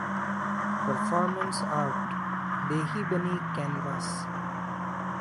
performance art देह बनी canvas